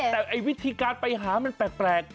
แต่วิธีการไปหามันแปลก